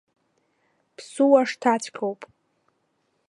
Ԥсуа шҭаҵәҟьоуп!